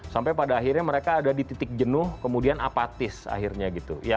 sampai pada akhirnya mereka ada di titik jenuh kemudian apatis akhirnya gitu